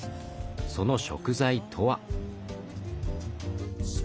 その食材とは？